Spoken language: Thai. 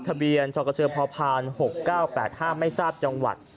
ทะเบียนชกเชือพพหกเก้าแปดห้าไม่ทราบจังหวัด